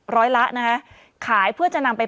ร้อยละนะคะขายเพื่อจะนำไป